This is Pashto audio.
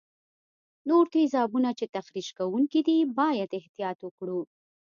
نور تیزابونه چې تخریش کوونکي دي باید احتیاط وکړو.